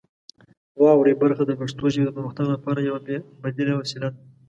واورئ برخه د پښتو ژبې د پرمختګ لپاره یوه بې بدیله وسیله ده.